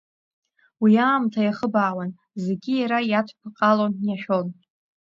Уи аамҭа иахыбаауан, зегьы иара иадԥҟалан иашәон.